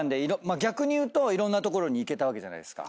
逆に言うといろんな所に行けたわけじゃないですか。